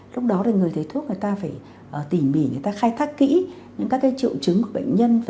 lúc đó thì người thấy thuốc người ta phải tỉ mỉ người ta khai thác kỹ những các triệu chứng của bệnh nhân